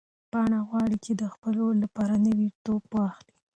پاڼه غواړي چې د خپل ورور لپاره نوی توپ واخلي.